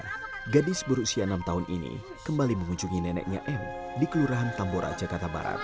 nah gadis berusia enam tahun ini kembali mengunjungi neneknya m di kelurahan tambora jakarta barat